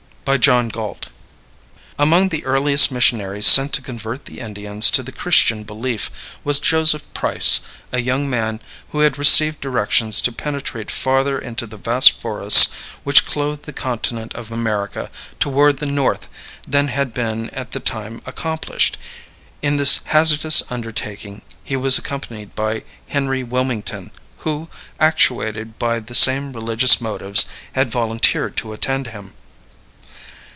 BY JOHN GALT. Among the earliest missionaries sent to convert the Indians to the Christian belief was Joseph Price, a young man who had received directions to penetrate farther into the vast forests which clothe the continent of America toward the north than had been at that time accomplished. In this hazardous undertaking he was accompanied by Henry Wilmington, who, actuated by the same religious motives, had volunteered to attend him.